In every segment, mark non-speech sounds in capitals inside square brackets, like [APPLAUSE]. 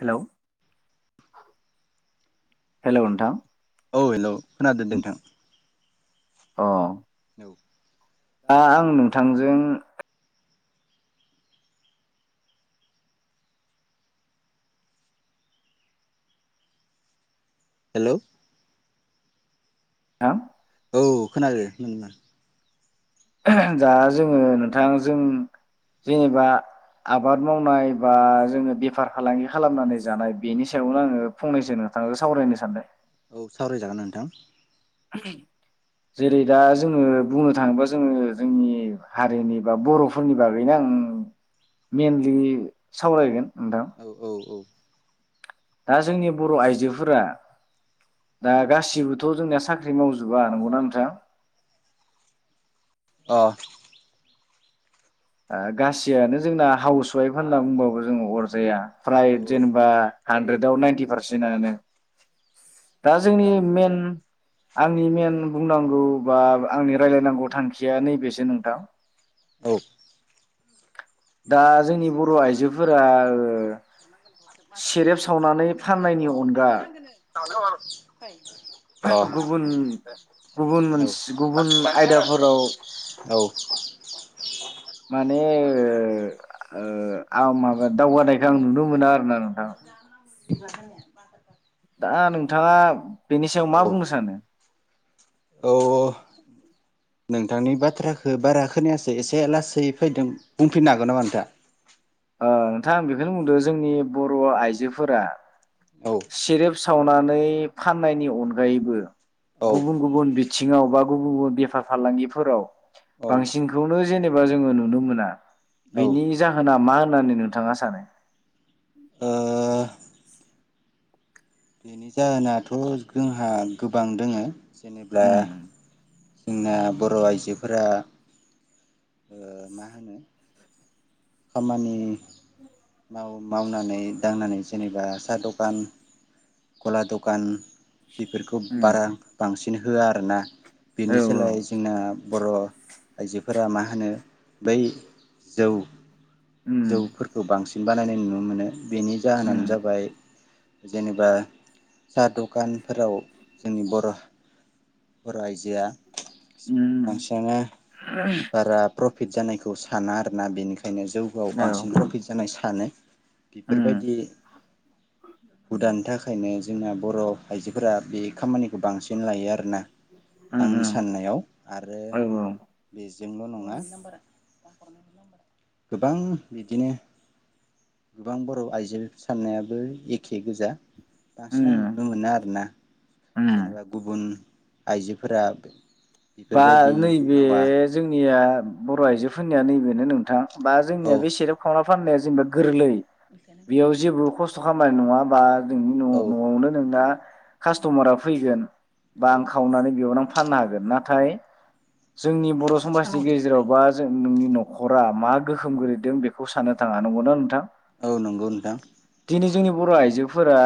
हेल' हेल' नोंथां। औ हेलौ खोनादों दे नोंथां। अ। औ। ओ आं नोंथांजों हेल'। [UNINTELLIGIBLE] औ खोनादों नोंना आ दा जोंङो नोंथां जों जेनोबा आबाद मावनाय बा जोंङो बेफार फालांगि खालामनानै जानाय बेनि सायावनो आंङो फंनैसो नोंथां सावरायनो सानदों। औ सावरायजागोन नोंथां। जेरै दा जोंङो बुंनो थांङोबा जोंङो जोंनि हारिनि बा बर'फोरनि बागैनो आं मेनलि सावरायगोन नोंथां औ औ औ। दा जोंनि बर' आइजोफोरा दा गासिबोथ' जोंनिया साख्रि मावजोबा नंगौना नोंथां? अ। ओ गासैयानो जोंना हाउस वाइफ होनना बुंबाबो जोंङो अरजाया। फ्राइ औ जेनोबा हानद्रेदआव नाइन्टि पारसेन्ट नानो दा जोंनि मेन आंनि मेन बुंनांगौ बा आंनि रायलायनांगौ थांखिया नैबेसो नोंथां औ। दा जोंनि बर' आइजोफोरा ओ [UNINTELLIGIBLE] सेरेब सावनानै फाननायनि अनगा अ गुबुन गुबुन औ मोनसे गुबुन आयदाफोराव औ। माने ओ ओ आं माबा दावगानायखौ आं नुनो मोना आरोना नोंथां। [INAUDIBLE] दा नोंथांङा बेनि सायाव मा बुंनो सानो? औ औ, नोंथांनि बाथ्राखौ बारा खोनायासै एसे लासै फैदों, बुंफिननो हागोन नामा नोंथांङा? ओ नोंथां आं बेखौनो बुंदों जोंनि बर' आइजोफोरा औ। सेरेब सावनानै फाननायनि अनगायैबो औ गुबुन गुबुन बि थिंङाव बा गुबुन गुबुन बेफार फालांगिफोराव औ बांसिनखौनो जेनोबा जोंङो नुनो मोना। औ ओ बिनि जाहोना मा होननानै नोंथांङा सानो? बेनि जाहोनाथ' जोंहा गोबां दोंङो जेनोब्ला उम जोंना बर' आइजोफोरा ओ मा होनो खामानि उ माव मावनानै दांनानै जेनोबा साहा दखान गला दखान बेफोरखौ उम बारा बांसिन नो होआ आरो ना औ बेनि औ सोलाय जोंना बर' आइजोफोरा मा होनो बै जौ उम जौफोरखौ बांस बानायनाय नुनो मोनो बेनि उम जाहोनानो जाबाय जेनेबा साहा दखान फोराव जोंनि बर' बर' आइजोआ उम बांसिआनो बारा प्रफिट जानायखौ साना आरोना बेनिख खायनो जौगआव औ बांसिन प्रफिट जानाय सा सानो उम बेफोरबायदि हुदानि थाखायनो जोंना बर' आइजोफोरा बे खामानिखौ बांसिन लायो आरोना उम आंनि उम साननायाव आरो औ औ बेजोंल' नङा [UNINTELLIGIBLE] गोबां बिदिनो गोबां बर' आइजो साननायाबो एखे गोजा बांसिन आं उम नुनो मोना आरोना उम जेनेबा गुबुन आइजोफोरा बा बेफोरबायदि नैबे मावा जोंनिया बर' आइजोफोरनिया नैबेनो नोंथां बा औ जोंनिया बे सेरेब खावना फाननाया जेनेबा गोरलै बेयाव जेबो खस्थ [UNINTELLIGIBLE] खामानि नङा बा नोंनि न' औ न'आवनो नोंना खास्ट'मारा फैगोन बा औ आं खावनानै बेयावनो आं फाननो हागोन ना हाय जोंनि बर' समाजनि गेजेराव बा जों नोंनि न'खरा मा गोहोम गोलैदों बेखौ साननो थाङा नंगौना नोंथां? औ नंगौ नोंथां दिनै जोंनि बर' आइजोफोरा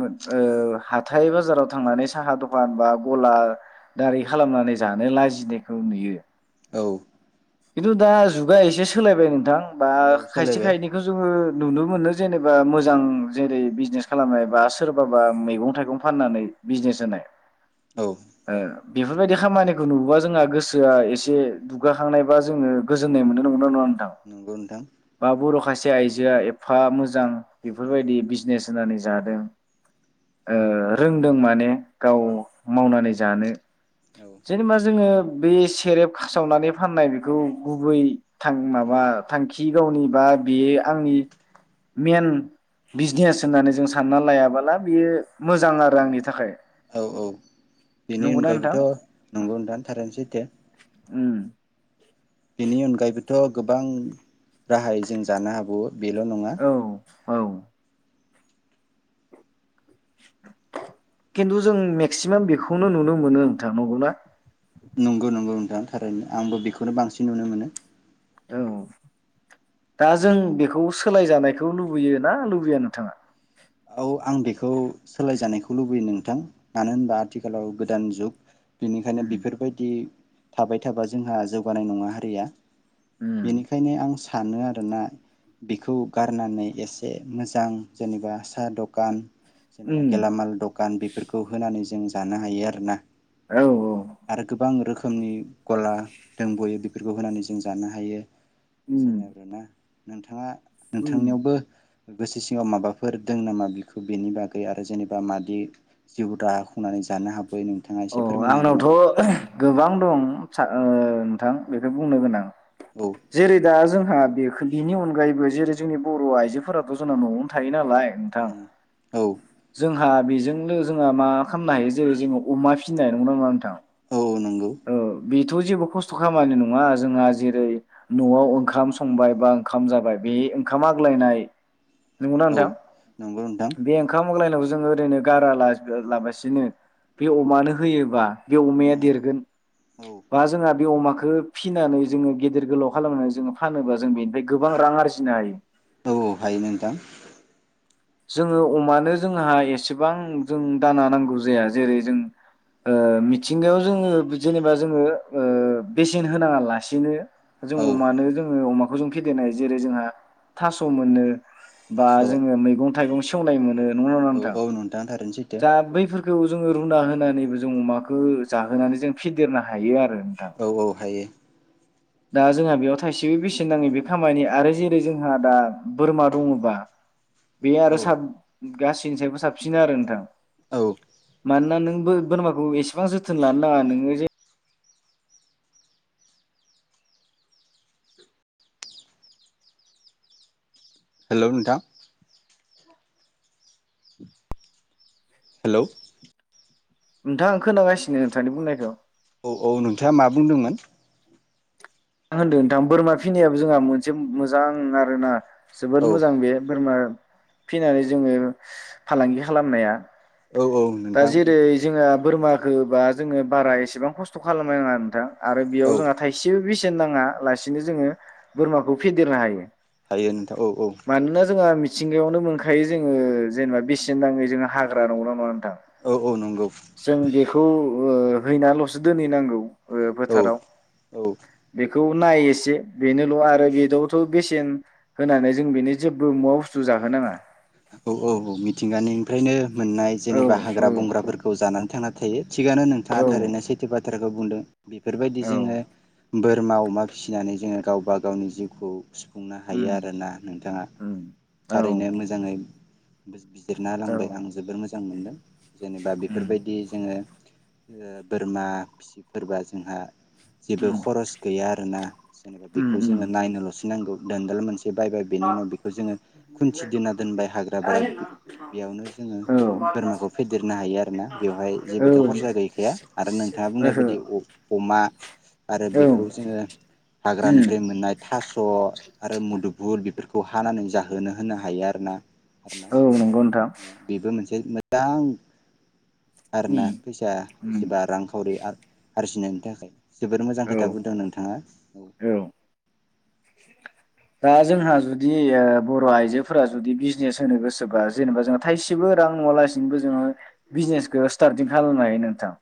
मो ओ हाथाय बाजाराव थांनानै साहा दखान बा गला दारि खालामनानै जानो लाजिनायखौ नुयो औ खिन्थु दा जुगा एसे सोलायबाय नोंथां बा औ खायसे सोलायबाय खायनैखौ जोङो नुनो मोनो जेनेबा मोजां जेरै बिजनेस खालामनाय बा सोरबाबा मैगं थाइगं फाननानै बिजनेस होनाय औ ओ बेफोरबायदि खामानिखौ नुबोबा जोंहा गोसोआ एसे दुगाखांनाय बा जोङो गोजोननाय मोननो नंगौना नङा नों औ नंगौ नोंथां बाबु रखायसे खायसे आइजोआ एफा मोजां बेफोरबायदि बिजनेस होनानै जादों ओ रोंदों माने गाव मावनानै जानो औ जेनेबा जोङो बे सेरेब सावनानै फाननाय बेखौ गौ गुबै थां औ माबा थांखि गावनि बा बेयो आंनि मेइन बिजनेस होननानै जों सानना लायाबोला बेयो मोजां आरो आंनि थाखाय औ औ बेनि नंगौना अनगायैबोथ नोंथां नंगौ नोंथां थारैनो सैथो उम थ गोबां राहायै जों जानो हाबावो बेल नङा औ औ खिन्थु जों मेक्सिमाम बेखौनो नुनो मोनो नोंथां नंगौना नंगौ नंगौ नोंथां थारैनो आंबो बेखौनो बांसिन नुनो मोनो औ दा जों बेखौ सोलाय जानायखौ लुबैयो ना लुबैया नोंथाङा औ आं बेखौ सोलायजानायखौ लुबैयो नोंथां मानो होनबा आथिखालाव गोदान जुग बेनिखायनो उम बेफोरबायदि थाबाय थाबा जोंहा जौगानाय नङा हारिया उम बेनिखायनो आं स सानो आरोना बेखौ गारनानै एसे मोजां जेनेबा दखान जेनेबा उम गेलामाल दखान बेफोरखौ होनानै जों जानो हायो आरो ना औ औ आरो गोबां रोखोम ! ! ! ! गला दोंबावो बिदि बेफोरखौ होनानै जों जानो हायो उम जोङो आरो ना नोंथाङा उम नोंथांनियावबो गोसो सिङाव माबाफोर दों नामा बिखौ बेनि बागै आरो जेनेबा मादि जिउ राहा खुंनानै जानो हाबैयो नों अ आंनावथ' गोबां दं। ओ नोंथां बेखौ बुंनो गोनां औ जेरै दा जोंहा बेख बिनि अनगायैबो जेरै जोंनि बर' आइजोफोराथ' जोंना न'आवनो थायो नालाय नोंथां औ जों आ बेजोंनो जोंहा मा खामनो हायो जेरै जोंङो अमा फिसिनाय नंगौना नाङा नोंथां? औ औ नंगौ। औ बेथ' जेबो खस्थ' खामानि नङा जोंहा जेरै न'आव ओंखाम संबाय बा ओंखाम जाबाय बे ओंखाम आग्लायनाय नंगौना औ नोंथां? नंगौ नोंथां बे ओंखाम मग्लायनायखौ जों ओरैनो गारा ला-लाबासिनो बे अमानो होयोबा बे अमाया औ देरगोन औ बा जोंहा बे अमाखो खो फिसिनानै जोङो गिदेर गोलाव खालामनानै जोङो फानोबा जों बेनिफ्राय गोबां रां आरजिनो हायो। औ हायो नोंथां। जोङो अमानो जोंहा एसेबां जों दाना नांगौ जाया जेरै जों ओ मिथिंगायाव जोङो बि जेनेबा जोङो ओ बेसेन होनाङा लासेनो जों औ अमानो जोङो अमाख जों फेदेरनाय जेरै जोंहा थास' मोनो बा थास' औ जोङो मैगं थाइगं सेवनाय मोनो नंगौना नङा नोंथां? औ थारैनो सैथो दा बैफोर बेखौ जोङो रुना होनानैबो जों अमाखौ जाहोनानै जों फेदेरनो हायो आरो। नोंथां औ औ हायो। दा जोंहा बेयाव थाइसेबो बेसेन नाङै बे खामानि आरो जेरै जोंहा दा बोरमा दङबा बे आरो औ साब गासैनि सायबो साबसिन आरो नोंथां। औ मानो ना नों बोर-बोरमाखौ एसेबां जोथोन लानो नाङा नोङो जे हेल' नोंथां? हेल' नोंथां आं खोनागासिनो नोंथांनि बुंनायखौ। औ औ नोंथाङा मा बुंदोंमोन? आं होनदों नोंथां बोरमा फिनायाबो जोंहा मोनसे मोजां आरोना जोबोद औ मोजां बे बोरमा फिनानै जोङो फालांगि खालामनाया। औ औ दा नोंथां जेरै जोंङो बोरमाखोबा जोङो बारा एसेबां खस्थ' खालामनो नाङा नोंथां। आरो औ बेयाव जोंहा थाइसेबो बेसे सेन नाङा लासिनो जोङो बोरमाखौ फेदेरनो हायो। हायो नोंथां औ औ सिंगायावनो मोनखायो जोङो जेनेबा बेसेन नाङै जोङो हाग्रा नंगौ ना नङा नोंथां औ औ नंगौ खौ ओ हैनाल'सो दोनहैनांगौ ओ औ फोथाराव बे औ बेखौ नाय एसे बेनोल' आरो बेदावथ' बेसेन होनानै जों बेनो जेबो मुवा बुस्थु जाहोनाङा औ औ औ मिथिंगानिफ्रायनो मोननाय औ जेनेबा औ हाग्रा बंग्राफोरखौ जानानै थांना खायो थिगानो औ नोंथाङा थारैनो सैथो बाथ्राखौ बुंदों बेफोरबायदि औ जोङो बोरमा अमा फिसिनानै जोङो गावबा गावनि जिउखौ खुंनो हायो उम आरोना नोंथाङा उम औ थारैनो मोजां ङै बिजिरना औ होलांबाय आं जोबोर मोजां मोजां मोनदों जेनेबा उम बेफोरबायदि जोङो बोरमा फिसिफोरबा जोंहा जेबो उम खरस गैया आरोना जेनेबा उम बेखौ उम जोङो नायनोल'सो नांगौ दोनदाल मोनसे बायबाय बेनि उनाव बेखौ जोङो खुनथि दोना होनबाय हाग्रा बेयावनो जोङो औ बोरमाखौ फेदेरनो हायो आरोना बेवहाय जेबोथ' खरसा ओहो गैखाया आरो नोंथाङा बुंनाय बायदि अमा आरो औ बेखौ जोङो उम हाग्रानिफ्राय मोननाय थास' आरो मुदुबु बेफोरखौ हानानै जाहोनो होनो हायो आरो ना औ नंगौ नोंथां दां आरोना उम फैसाया उम एसेबा रांखावरि आरो आरजिनायनि थाखाय जोबोर मोजां औ खोथा बुंदों नोंथाङा औ दा जोंहा जुदि ओ बर' आइजोफोरा जुदि बिजनेस होनो गोसोबा जेनेबा जोंहा थाइसेबो रां नुवालासिनोबो जोङो बिजनेसखौ स्टार्टिं खालामनो हायो नोंथां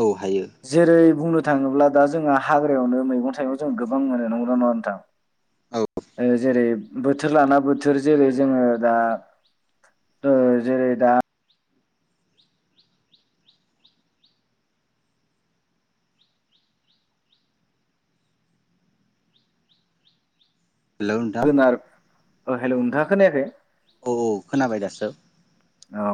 औ हायो जेरै बुंनो थाङोब्ला दा जोंहा हाग्रायावनो मैगं थाइं जों गोबां मोनो नंगौना नङा नोंथां औ जेरै बो थोर लाना बोथोर जेरै जोङो दा जेरै दा हेल' नोंथां। हेल' नोंथाङा खोनायाखै। औ औ खोनाबाय दासो। औ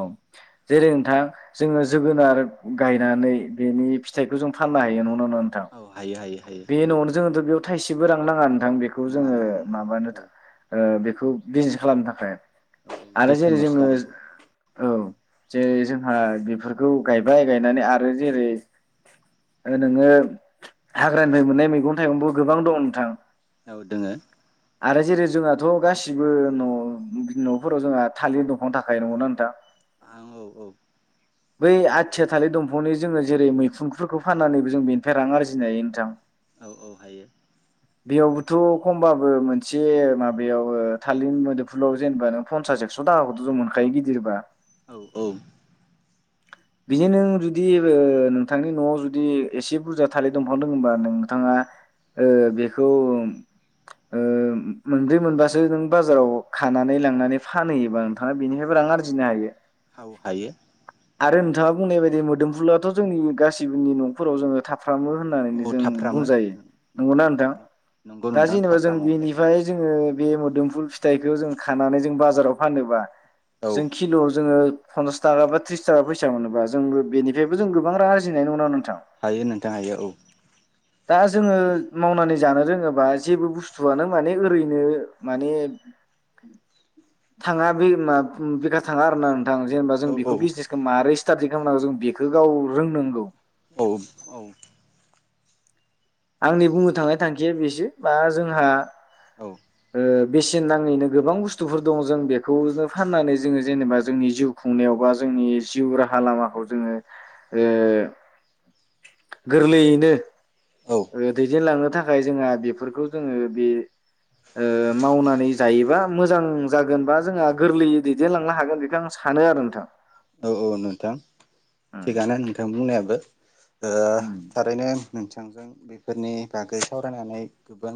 जेरै नोंथां जोङो जोगोनार गायनानै बेनि फिथाइखौ जों फाननो हायो नङा नोंगौना नंङा औ हायो हायो हायो नोंथां बे न'आवनो थाइसेबो रां नाङा। नोंथां बेखौ नङा जोङो नङा नङा औ थ' ओ बेखौ बिजनेस खालामनो थाखाय। औ औ आरो जेरै जोथोनल'सो जोङो लानांगौ औ। जे जोंहा बेफोरखौ गायबाय गायनानै आरो जेरै नोङो हाग्रानिफ्राय मोननाय मैगं थाइगंबो गोबां दं नोंथां। औ दोङो। आरो जेरै जोंहाथ' गासिबो न' न'फोराव जोंहा थालिर दंफांन थाखायोना नोंथां। आ औ औ। बै आथिया हायो थालिर दंफां जोङो जेरै मैखुनफोरखौ फाननानैबो जों बेनिफ्राय रां आरजिनो हायो नोंथां। औ औ हायो। बेयावबोथ' खमबाबो मोनसे माबायाव थालिर मोदोमफुलाव जेनेबा नों फनसास एकस' थाखाखौथ' जों मोनखायो गिदिरबा। औ औ। बिदि नों जुदि नोंथांनि न'आव जुदि एसे बुरजा थालिर दंफां दङबा नोंथाङा ओ बेखौ ओ मोनब्रै मोनबासो नों बाजाराव खानानै लांनानै फानहैयोबा नोंथाङा बेनिफ्रायबो रां आरजिनो हायो। औ हायो। आरो नोंथां नोंथाङा बुंनाय बायदि मोदोमफुलाथ' जोंनि गासिबोनि न'फोराव जोङो थाब फ्रामो होननानैनो औ जों थाफ्रामो बुंजायो नंगौना नोंथां थाफ्राम नंगौ दा नोंथां जेनेबा जों थाफ्रामो दे बेनिफ्राय जोङो बे मोदोमफुल फिथाइखौ जों खानानै जों बाजाराव फानोबा औ जों खिल'आव जोङो पनसासथाखा बा थ्रिसथाखा फैसा मोनोबा जोंबो बेनिफ्रायबो जों गोबां रां आरजिनायनि उनाव हायो नोंथां हायो औ। दा जोङो मावनानै जानो रोङोबा जेबो बुस्थुआनो माने ओरैनो माने थाङा बे मा बेखार थाङा आर ना नोंथां जेनेबा औ औ बे बिजनेसखौ मारै स्टाडि खालामनांगौ जों बेखौ गाव रोंनांगौ। औ औ। आंनि बुंनो थांनाय थांखिया बेसो बा जोंहा औ ओ बेसेन नाङैनो गोबां बुस्थुफोर दङ जों बेखौनो फाननानै जोङो जेनेबा जोंनि जिउ खुंनायाव बा जोंनि जिउ राहा लामाखौ जोङो ओ गोरलैयैनो औ ओ दैदेनलांनो थाक खाय जोंहा बेफोरखौ जोङो बे ओ मावनानै जायोबा मोजां जागोन बा जोंहा गोरलैयै दैदेनलांनो हागोन बेखौ आं सानो आरो नोंथां। औ औ नोंथां। उम थिगानो नोंथां बुंनायाबो। ओ उम थारैनो नों थांजों बेफोरनि बागै सावरायनानै गोबां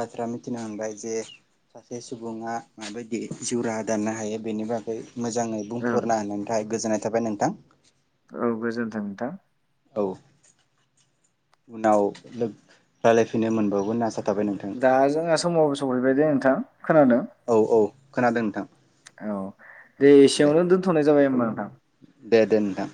बाथ्रा मिथिनो मोनबाय जे सासे सुबुङा माबायदि जिउ राहा दानो हायो बेनि बागै मोजाङै औ बुंफोरनो हानायानोथ' गोजोननाय थाबाय नोंथां। औ गोजोन्थों नोंथां। औ उनाव रायलायफैनो मोनबावगोन होनना आसा थाबाय नोंथां दा जोंहा समाव सहैबाय नोंथां खोनादों? औ औ खोनादों नोंथां। औ दे एसेयावनो दोन्थ'नाय जाबाय। होमबा नोंथां दे दे नोंथां।